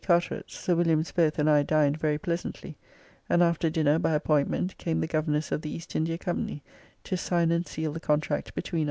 Carteret's, Sir Williams both and I dined very pleasantly; and after dinner, by appointment, came the Governors of the East India Company, to sign and seal the contract between us [Charles II.'